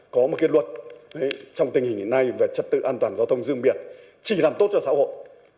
có một luật trong tình hình này về chất tự an toàn giao thông riêng biệt chỉ làm tốt cho xã hội